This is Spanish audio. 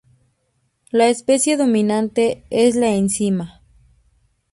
La especie dominante es la encina.